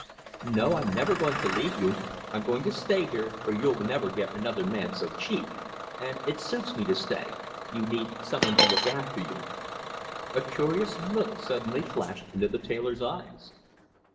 "No. I'm never going to leave you. I'm going to stay here, for you'll never get another man so cheap; and it suits me to stay you need some one to look after you." A curious soft look suddenly flashed into the tailor's eyes.